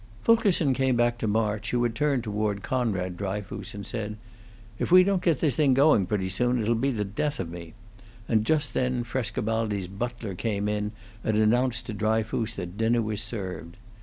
Fulkerson came back to March, who had turned toward Conrad Dryfoos, and said, "If we don't get this thing going pretty soon, it 'll be the death of me," and just then Frescobaldi's butler came in and announced to Dryfoos that dinner was served.